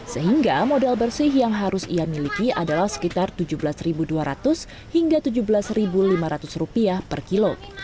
sehingga modal bersih yang harus ia miliki adalah sekitar rp tujuh belas dua ratus hingga rp tujuh belas lima ratus per kilo